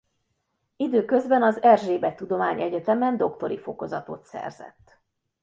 Időközben az Erzsébet Tudományegyetemen doktori fokozatot szerzett.